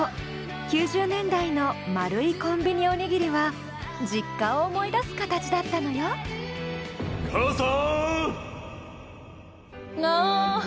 ９０年代の丸いコンビニおにぎりは実家を思い出すカタチだったのよあ。